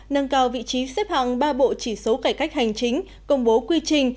nâng cao vị trí xếp hạng ba bộ chỉ số cải cách hành chính công bố quy trình